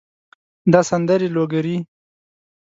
دا سندرې لوګري